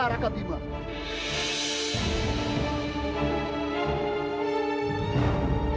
ijdah ini hancur